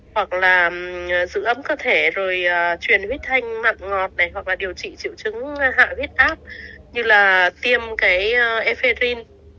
hoặc là giữ ấm cơ thể rồi truyền huyết thanh mặn ngọt hoặc là điều trị triệu chứng hạ huyết áp như là tiêm cái eferin